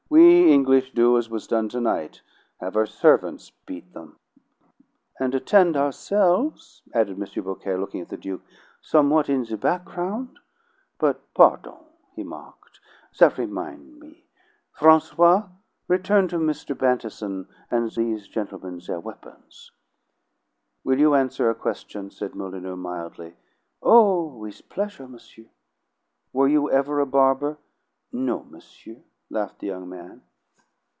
We English do as was done to night, have our servants beat them." "And attend ourselves," added M. Beaucaire, looking at the Duke, "somewhat in the background? But, pardon," he mocked, "that remind' me. Francois, return to Mr. Bantison and these gentlemen their weapons." "Will you answer a question?" said Molyneux mildly. "Oh, with pleasure, monsieur." "Were you ever a barber?" "No, monsieur," laughed the young man.